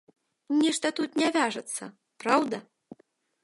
Нешта тут не вяжацца, праўда?